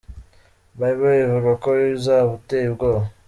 Bible ivuga ko uzaba uteye ubwoba.